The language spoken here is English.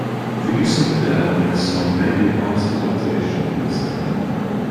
The use of "dell" in this song may be a bastardisation of this term.